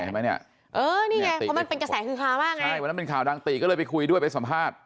เพราะมันเป็นกระแสคือคามากไงใช่วันนั้นเป็นข่าวดังตรีก็เลยไปคุยด้วยไปสัมภาษณ์